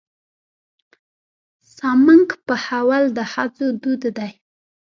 سمنک پخول د ښځو دود دی.